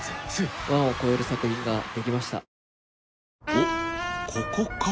おっここか。